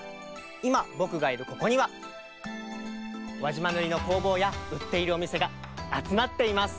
いまぼくがいるここには輪島塗の工房やうっているおみせがあつまっています！